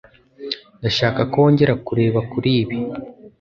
Ndashaka ko wongera kureba kuri ibi